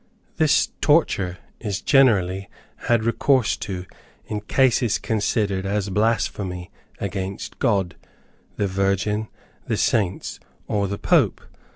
This torture is generally had recourse to in cases considered as blasphemy against God, the Virgin, the Saints, or the Pope.